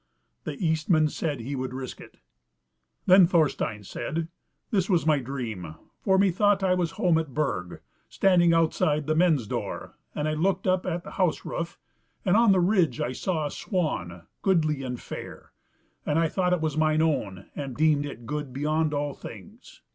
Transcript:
The Eastman said he would risk it. Then Thorstein said: "This was my dream; for methought I was at home at Burg, standing outside the men's door, and I looked up at the house roof, and on the ridge I saw a swan, goodly and fair, and I thought it was mine own, and deemed it good beyond all things.